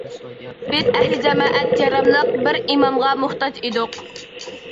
بىز ئەھلى جامائەت ياراملىق بىر ئىمامغا موھتاج ئىدۇق.